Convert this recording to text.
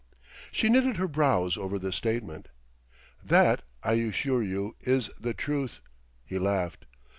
She knitted her brows over this statement. "That, I assure you, is the truth," he laughed.